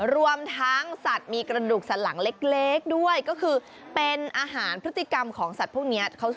รวมทั้งสัตว์มีกระดูกสันหลังเล็กด้วยก็คือเป็นอาหารพฤติกรรมของสัตว์พวกนี้